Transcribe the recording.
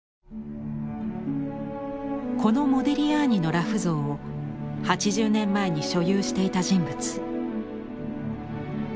このモディリアーニの裸婦像を８０年前に所有していた人物。